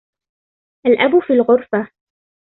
الأب في الغرفة.